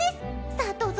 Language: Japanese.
さあどうぞ！